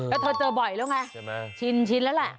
แล้วเธอเจอบ่อยแล้วไงชินแล้วแหละ